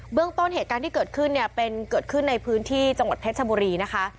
เรื่องต้นเหตุการณ์ที่เกิดขึ้นเนี่ยเป็นเกิดขึ้นในพื้นที่จังหวัดเพชรชบุรีนะคะ